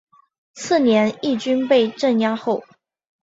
次年义军被镇压后。